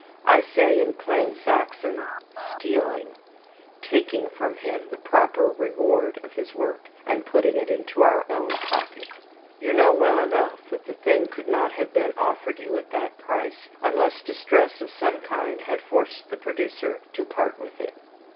I say, in plain Saxon, STEALING taking from him the proper reward of his work, and putting it into our own pocket. You know well enough that the thing could not have been offered you at that price, unless distress of some kind had forced the producer to part with it.